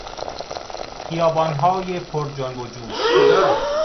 خیبانهای پرجنب و جوش